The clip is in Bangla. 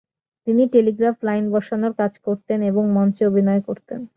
তিনি টেলিগ্রাফ লাইন বসানোর কাজ করতেন এবং মঞ্চে অভিনয় করতেন।